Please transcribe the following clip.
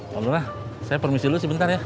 pak lura saya permisi dulu sebentar ya